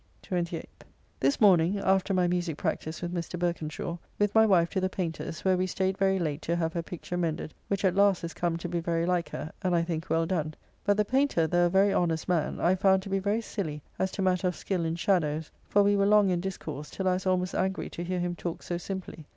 28th. This morning (after my musique practice with Mr. Berkenshaw) with my wife to the Paynter's, where we staid very late to have her picture mended, which at last is come to be very like her, and I think well done; but the Paynter, though a very honest man, I found to be very silly as to matter of skill in shadows, for we were long in discourse, till I was almost angry to hear him talk so simply.